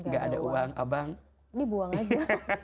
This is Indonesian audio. gak ada uang abang dibuang aja